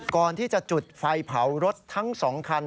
ก่อนที่จะจุดไฟเผารถทั้ง๒คัน